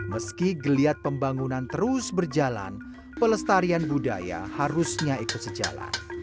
meski geliat pembangunan terus berjalan pelestarian budaya harusnya ikut sejalan